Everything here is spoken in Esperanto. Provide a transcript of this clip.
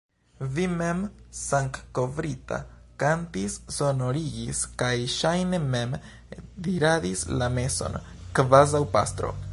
Vi mem, sangkovrita, kantis, sonorigis kaj, ŝajne, mem diradis la meson, kvazaŭ pastro.